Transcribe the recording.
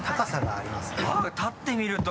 あっ立ってみると。